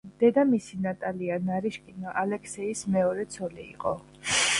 დედამისი ნატალია ნარიშკინა ალექსეის მეორე ცოლი იყო.